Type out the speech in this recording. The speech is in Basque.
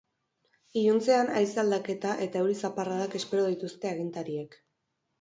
Iluntzean haize aldaketa eta euri zaparradak espero dituzte agintariek.